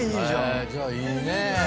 へえじゃあいいね。